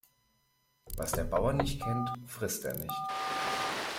Was der Bauer nicht kennt, frisst er nicht.